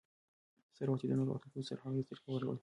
سهار وختي د لمر په راختلو سره هغې سترګې وغړولې.